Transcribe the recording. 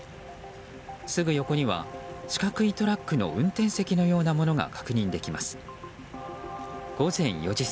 すぐ横には四角いトラックの運転席のようなものが確認できます。